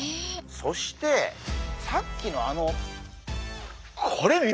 そしてさっきのあのこれ見ましたか？